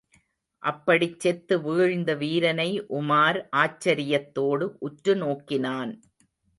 அப்படிச் செத்து வீழ்ந்த வீரனை உமார் ஆச்சரியத்தோடு உற்று நோக்கினான்.